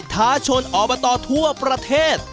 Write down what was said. ทาชนอเบอร์ตอร์ทั่วประเทศ